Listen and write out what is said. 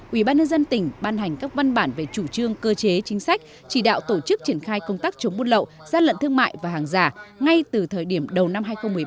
ủy ban nhân dân tỉnh ban hành các văn bản về chủ trương cơ chế chính sách chỉ đạo tổ chức triển khai công tác chống buôn lậu gian lận thương mại và hàng giả ngay từ thời điểm đầu năm hai nghìn một mươi bảy